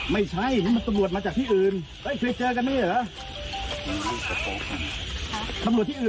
ไม่ใช่ก็มีตำรวจมาจากที่อื่นเคยเจอกันนี่หรอ